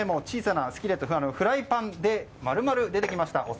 小さなスキレット、フライパンで丸々出てきました。